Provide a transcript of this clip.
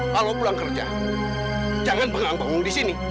kalau pulang kerja jangan bengang bengung di sini